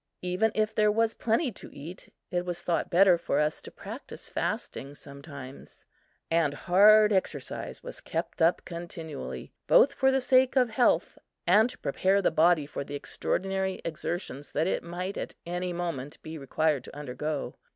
Even if there was plenty to eat, it was thought better for us to practice fasting sometimes; and hard exercise was kept up continually, both for the sake of health and to prepare the body for the extraordinary exertions that it might, at any moment, be required to undergo.